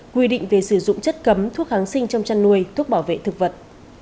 quy định về sử dụng chất cấm thuốc kháng sinh trong chăn nuôi thuốc bảo vệ thực vật